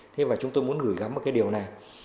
thế và chúng tôi muốn gửi gắm một cái điều này